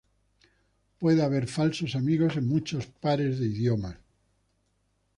Puede haber falsos amigos en muchos pares de idiomas.